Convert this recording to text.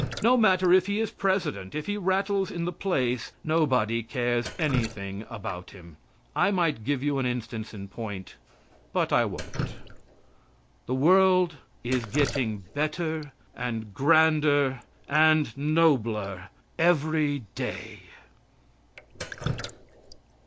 No matter if he is president, if he rattles in the place nobody cares anything about him. I might give you an instance in point, but I won't. The world is getting better and grander and nobler every day.